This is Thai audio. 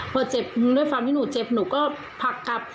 พอเจ็บด้วยความที่หนูเจ็บหนูก็ผลักกลับ